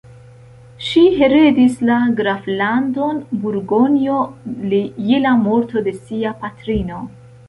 Ŝi heredis la graflandon Burgonjo je la morto de sia patrino.